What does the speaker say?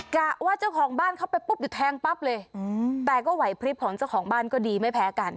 กะว่าเจ้าของบ้านเข้าไปปุ๊บเดี๋ยวแทงปั๊บเลยแต่ก็ไหวพลิบของเจ้าของบ้านก็ดีไม่แพ้กัน